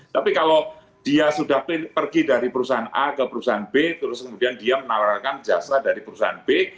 tapi kalau dia sudah pergi dari perusahaan a ke perusahaan b terus kemudian dia menawarkan jasa dari perusahaan b